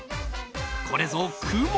これぞ雲！